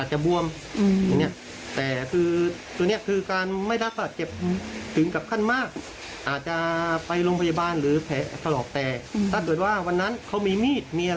หรือป้องกันไม่ให้ใครตัวนี้